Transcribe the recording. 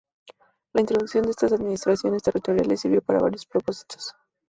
La introducción de estas administraciones territoriales sirvió para varios propósitos.